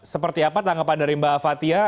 seperti apa tanggapan dari mbak fathia